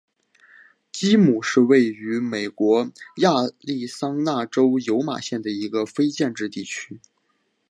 基姆是位于美国亚利桑那州尤马县的一个非建制地区。